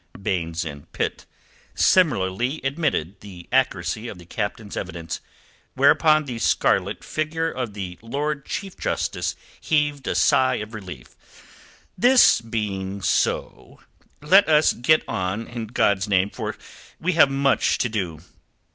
Baynes and Pitt similarly admitted the accuracy of the Captain's evidence, whereupon the scarlet figure of the Lord Chief Justice heaved a sigh of relief. "This being so, let us get on, in God's name; for we have much to do."